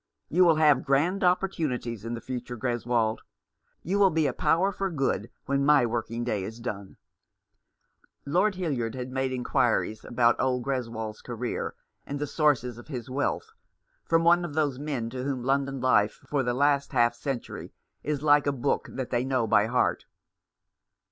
"You will have grand opportunities in the future, Greswold. You will be a power for good, when my working day is done." Lord Hildyard had made inquiries about old Greswold's career, and the sources of his wealth, from one of those men to whom London life for the last half century is like a book that they know by heart.